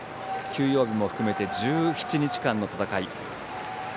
休養日も含めて１７日間の戦い。